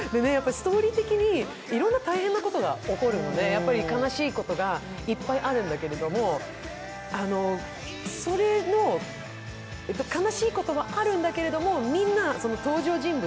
ストーリー的に、いろんな大変なことが起こるので悲しいことがいっぱいあるんだけれども悲しいことはあるんだけれども、みんな登場人物